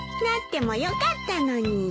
なってもよかったのに。